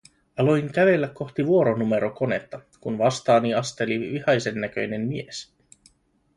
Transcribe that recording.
Aloin kävellä kohti vuoronumerokonetta, kun vastaani asteli vihaisennäköinen mies.